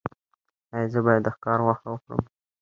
ایا زه باید د ښکار غوښه وخورم؟